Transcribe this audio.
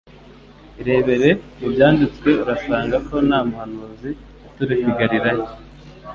Irebere mu byanditswe urasanga ko nta muhanuzi uturuka i Galilaya !»